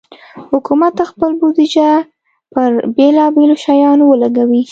حکومت خپل بودیجه پر بېلابېلو شیانو ولګوي.